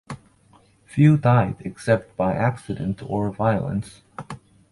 Few died except by accident or violence.